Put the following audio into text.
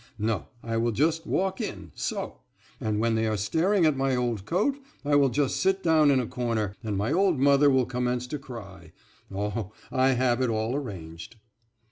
No, I will just walk in,—so,—and when they are staring at my old coat I will just sit down in a corner, and my old mother will commence to cry. Oh, I have it all arranged."